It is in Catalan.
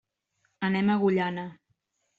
Anem a Agullana.